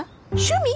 趣味？